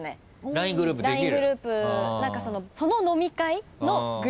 ＬＩＮＥグループできる。